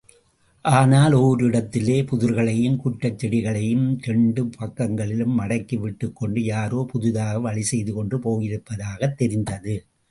ஆனால் ஓரிடத்திலே புதர்களையும் குற்றுச் செடிகளையும் இரண்டு பக்கங்களிலும் மடக்கிவிட்டுக்கொண்டு யாரோ புதிதாக வழி செய்துகொண்டு போயிருப்பதாகத் தெரிந்தது.